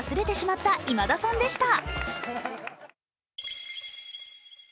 せりふを忘れてしまった今田さんでした。